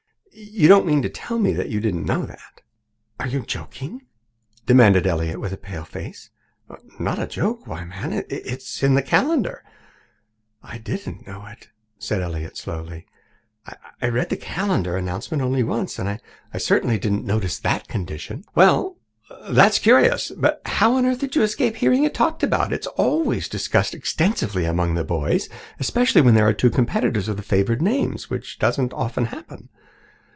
You don't mean to tell me that you didn't know that!" "Are you joking?" demanded Elliott with a pale face. "Not a joke. Why, man, it's in the calendar." "I didn't know it," said Elliott slowly. "I read the calendar announcement only once, and I certainly didn't notice that condition." "Well, that's curious. But how on earth did you escape hearing it talked about? It's always discussed extensively among the boys, especially when there are two competitors of the favoured names, which doesn't often happen."